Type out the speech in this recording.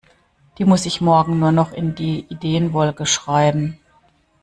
Die muss ich morgen nur noch in die Ideenwolke schreiben.